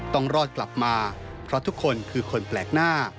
ต้องรอดกลับมาเพราะทุกคนคือคนแปลกหน้า